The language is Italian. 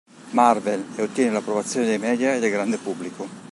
Marvel, e ottiene l'approvazione dei media e del grande pubblico.